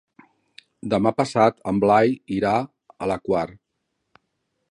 Demà passat en Blai irà a la Quar.